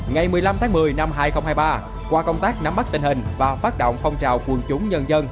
ngày một mươi năm tháng một mươi năm hai nghìn hai mươi ba qua công tác nắm bắt tình hình và phát động phong trào quân chúng nhân dân